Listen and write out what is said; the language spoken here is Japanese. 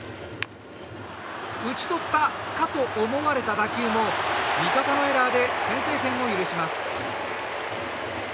打ち取ったかと思われた打球も味方のエラーで先制点を許します。